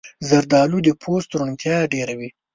زردالو د پوست روڼتیا ډېروي.